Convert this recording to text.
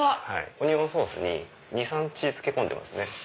オニオンソースに２３日漬け込んでますね。